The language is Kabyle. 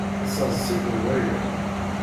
Yesseḍs-ikent waya?